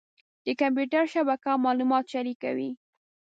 د کمپیوټر شبکه معلومات شریکوي.